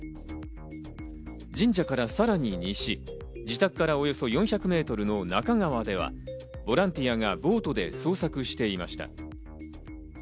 神社からさらに西、自宅からおよそ４００メートルの中川では、ボランティアがボートで捜索していました。